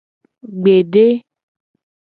Gbede.